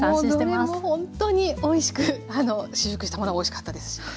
もうどれもほんとにおいしく試食したものはおいしかったですし